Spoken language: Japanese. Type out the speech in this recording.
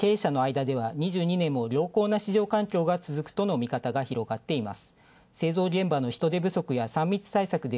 経営者の間では２２年も良好な市場環境が続くとの見方が広がっています。